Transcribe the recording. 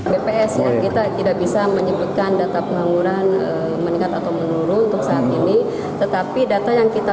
bps kita tidak bisa menyebutkan data pengangguran meningkat atau menurun untuk saat ini tetapi data yang kita